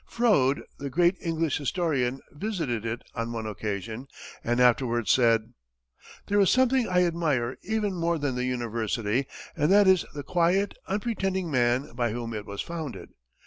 Froude, the great English historian, visited it on one occasion, and afterwards said: "There is something I admire even more than the university, and that is the quiet, unpretending man by whom it was founded.